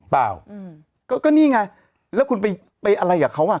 เปล่าอืมก็นี่ไงแล้วคุณไปอะไรกับเขาอ่ะ